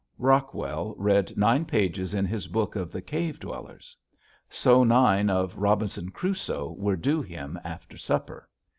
Rockwell read nine pages in his book of the cave dwellers. So nine of "Robinson Crusoe" were due him after supper.